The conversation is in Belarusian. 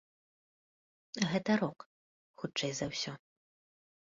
Гэта рок, хутчэй за ўсё.